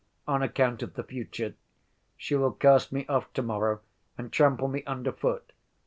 On account of the future. She will cast me off to‐morrow and trample me under foot.